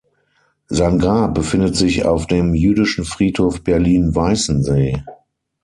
Sein Grab befindet sich auf dem Jüdischen Friedhof Berlin-Weißensee.